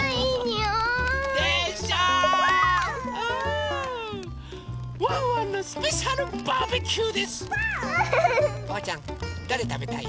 おうちゃんどれたべたい？